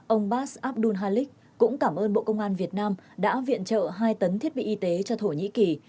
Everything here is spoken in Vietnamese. ông bas abdul halick cũng cảm ơn bộ công an việt nam đã viện trợ hai tấn thiết bị y tế cho thổ nhĩ kỳ